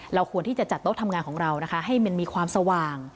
ควรที่จะจัดโต๊ะทำงานของเรานะคะให้มันมีความสว่าง